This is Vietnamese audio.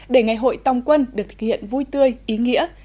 để ngày hội tòng quân được thực hiện vui tươi ý nghĩa